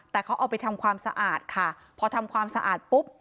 แต่เขาเอาไปทำความสะอาดค่ะพอทำความสะอาดปุ๊บ